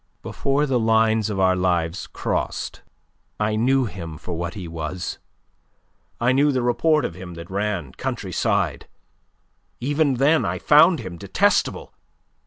Before the lines of our lives crossed, I knew him for what he was, I knew the report of him that ran the countryside. Even then I found him detestable.